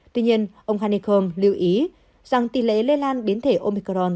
tuy nhiên ông hanekom lưu ý rằng tỷ lệ lây lan biến thể omicron